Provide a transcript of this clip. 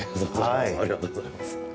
ありがとうございます。